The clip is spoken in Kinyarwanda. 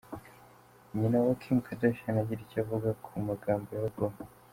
Nyina wa Kim Kardashian agira icyo avuga ku magambo ya Obama:.